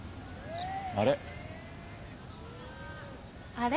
あれ？